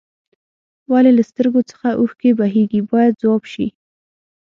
ولې له سترګو څخه اوښکې بهیږي باید ځواب شي.